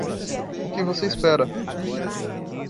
O que você espera